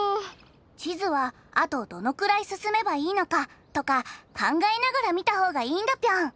ちずはあとどのくらいすすめばいいのかとかかんがえながらみたほうがいいんだピョン。